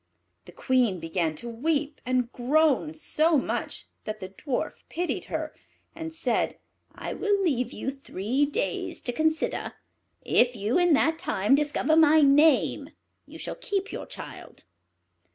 The Queen began to weep and groan so much that the Dwarf pitied her, and said, "I will leave you three days to consider; if you in that time discover my name you shall keep your child."